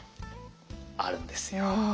あるんですよ。